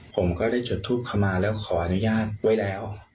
ผมก็ได้จุดทูปขมาแล้วขออนุญาตไว้แล้ว